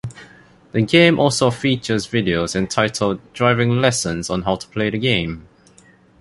The game also features videos entitled driving lessons on how to play the game.